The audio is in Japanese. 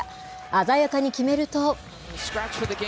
鮮やかに決めると。